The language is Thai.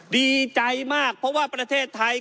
ดีใจมากเพราะว่าประเทศไทย